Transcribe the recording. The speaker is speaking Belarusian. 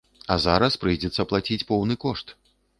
А зараз прыйдзецца плаціць поўны кошт.